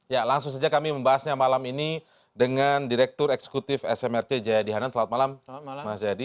ya langsung saja kami membahasnya malam ini dengan direktur eksekutif smrc jayadi hanan selamat malam mas jayadi